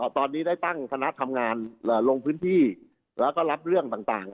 ตอนนี้ได้ตั้งคณะทำงานลงพื้นที่แล้วก็รับเรื่องต่าง